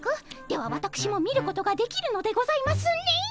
ではわたくしも見ることができるのでございますね。